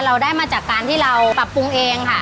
เราได้มาจากการที่เราปรับปรุงเองค่ะ